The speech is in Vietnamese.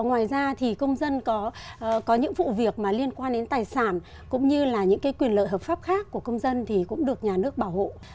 ngoài ra thì công dân có những vụ việc liên quan đến tài sản cũng như là những quyền lợi hợp pháp khác của công dân thì cũng được nhà nước bảo hộ